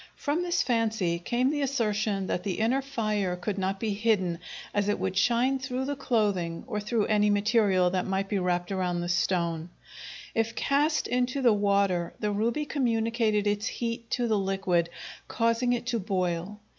From this fancy came the assertion that the inner fire could not be hidden, as it would shine through the clothing or through any material that might be wrapped around the stone. If cast into the water the ruby communicated its heat to the liquid, causing it to boil.